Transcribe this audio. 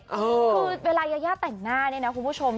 คือเวลายาย่าแต่งหน้าเนี่ยนะคุณผู้ชม